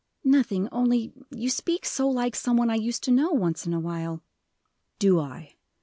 "Nothing; only you speak so like some one I used to know, once in a while." "Do I?